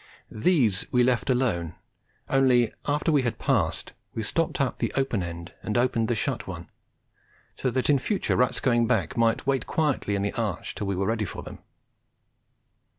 These we left alone, only after we had passed we stopped up the open end and opened the shut one, so that in future rats going back might wait quietly in the arch till we were ready for them.